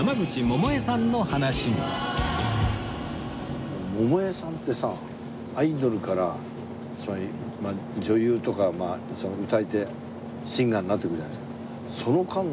百恵さんってさアイドルからつまり女優とかまあ歌い手シンガーになっていくじゃないですか。